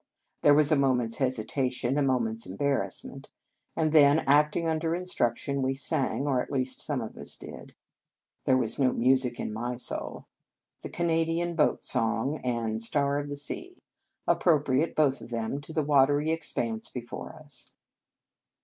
There was a moment s hesitation, a moment s embarrassment, and then, acting under instruction, we sang (or, at least, some of us did; there was 1 20 Un Conge sans Cloche no music in my soul) the u Canadian Boat Song," and " Star of the Sea," appropriate, both of them, to the watery expanse before us.